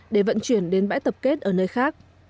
để vận chuyển đến bãi tập kết ở nơi khác